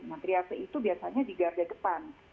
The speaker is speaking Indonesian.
nah triasel itu biasanya di garda depan